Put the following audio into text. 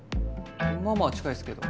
まあまあ近いっすけど。